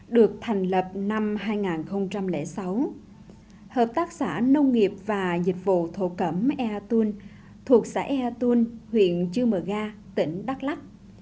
được thành lập năm hai nghìn sáu hợp tác xã nông nghiệp và dịch vụ thổ cẩm ea tôn thuộc xã ea tôn huyện chư mờ ga tỉnh đắk lắc